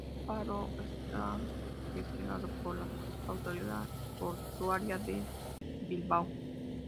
El faro está gestionado por la autoridad portuaria de Bilbao.